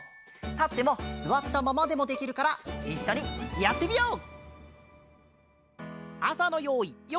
たってもすわったままでもできるからいっしょにやってみよう！